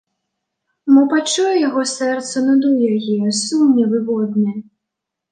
Мо пачуе яго сэрца нуду яе, сум невыводны?